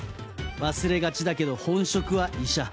忘れがちだけど本職は医者。